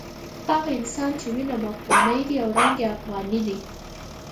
هغه انسان وینم چې افغان دی او رنګ یې افغاني دی.